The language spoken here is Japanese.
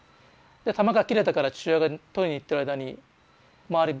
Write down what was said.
弾が切れたから父親が取りに行ってる間に周り